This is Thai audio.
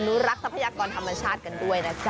นุรักษ์ทรัพยากรธรรมชาติกันด้วยนะจ๊